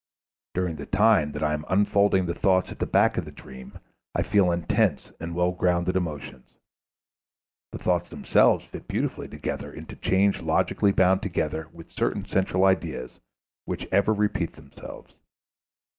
During the time that I am unfolding the thoughts at the back of the dream I feel intense and well grounded emotions. The thoughts themselves fit beautifully together into chains logically bound together with certain central ideas which ever repeat themselves.